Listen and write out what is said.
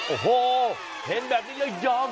โอ้โฮเห็นแบบนี้ยอม